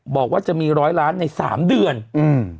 บอกว่าจะมีร้อยล้านในสามเดือนอืม